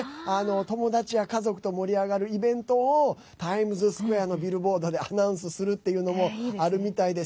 友達や家族と盛り上がるイベントをタイムズスクエアのビルボードでアナウンスするっていうのもあるみたいです。